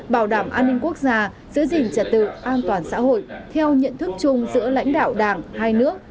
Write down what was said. bảo đảm an ninh quốc gia giữ gìn trật tự an toàn xã hội theo nhận thức chung giữa lãnh đạo đảng hai nước